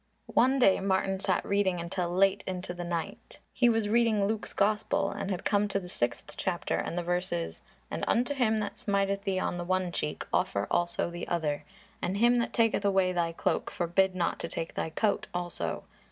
One day Martin sat reading until late into the night. He was reading Luke's Gospel and had come to the sixth chapter and the verses, "And unto him that smiteth thee on the one cheek, offer also the other; and him that taketh away thy cloke forbid not to take thy coat also.